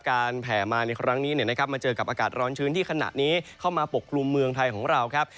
แผ่มาในครั้งนี้มาเจอกับอากาศร้อนชื้นที่ขณะนี้เข้ามาปกคลุมเมืองไทยของเราครับ